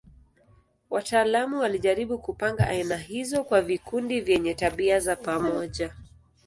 Wataalamu walijaribu kupanga aina hizo kwa vikundi vyenye tabia za pamoja.